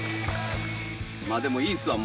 まあでもいいっすわ。